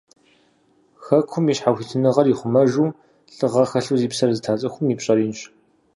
Хэкум и щхьэхуитыныгъэр ихъумэжу, лӀыгъэ хэлъу зи псэр зыта цӀыхум и пщӀэр инщ.